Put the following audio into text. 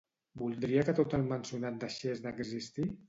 Voldria que tot el mencionat deixés d'existir?